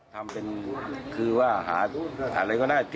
ทำเป็นคือว่าหาอะไรก็ได้